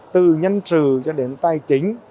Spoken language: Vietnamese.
từ nhân trừ cho đến tài chính